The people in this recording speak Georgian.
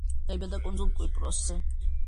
დაიბადა კუნძულ კვიპროსზე.